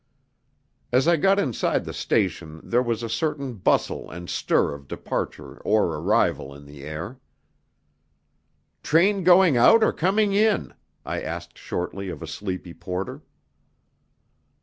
As I got inside the station there was a certain bustle and stir of departure or arrival in the air. "Train going out or coming in?" I asked shortly of a sleepy porter.